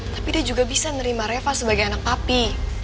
tapi dia juga bisa nerima reva sebagai anak papi